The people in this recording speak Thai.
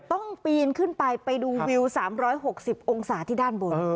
ปีนขึ้นไปไปดูวิว๓๖๐องศาที่ด้านบน